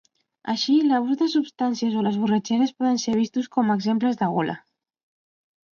Així, l'abús de substàncies o les borratxeres poden ser vistos com a exemples de gola.